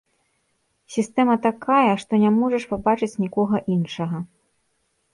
Сістэма такая, што не можаш пабачыць нікога іншага.